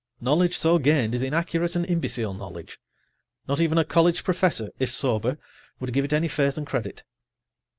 Knowledge so gained is inaccurate and imbecile knowledge. Not even a college professor, if sober, would give it any faith and credit.